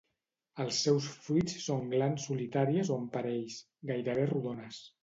Els seus fruits són glans solitàries o en parells, gairebé rodones.